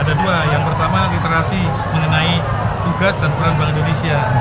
ada dua yang pertama literasi mengenai tugas dan peran bank indonesia